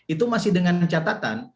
itu masih dengan catatan